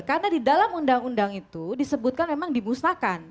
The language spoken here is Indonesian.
karena di dalam undang undang itu disebutkan memang dimusnahkan